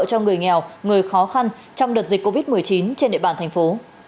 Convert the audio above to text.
cho người nghèo người khó khăn trong đợt dịch covid một mươi chín trên địa bàn thành phố